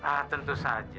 ah tentu saja